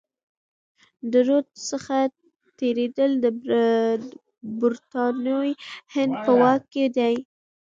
د رود څخه تیریدل د برتانوي هند په واک کي دي.